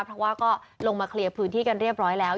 เพราะว่าก็ลงมาเคลียร์พื้นที่กันเรียบร้อยแล้ว